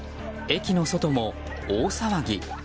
駅の外も大騒ぎ。